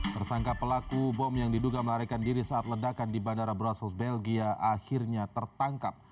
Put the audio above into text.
tersangka pelaku bom yang diduga melarikan diri saat ledakan di bandara brussels belgia akhirnya tertangkap